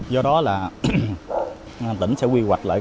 do đó là tỉnh sẽ quy hoạch lại